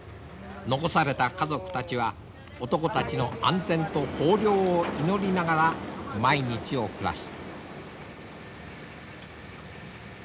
残された家族たちは男たちの安全と豊漁を祈りながら毎日を暮らす。